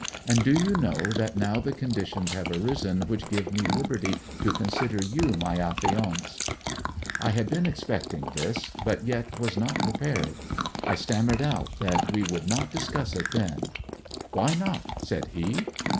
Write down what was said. And do you know that now the conditions have arisen which give me liberty to consider you my affianced?' I had been expecting this, but yet was not prepared. I stammered out that we would not discuss it then. 'Why not?' said he.